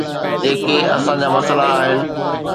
جيڪي اسان جا مسئلا آهن.